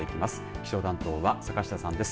気象担当は坂下さんです。